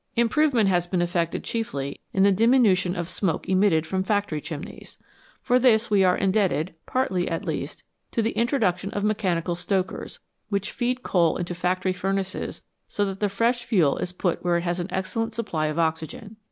Improvement has been effected chiefly in the diminution of smoke emitted from factory chimneys. For this we are indebted, partly at least, to the introduction of mechanical stokers, which feed coal into factory furnaces so that the fresh fuel is put where it has an excellent supply of oxygen.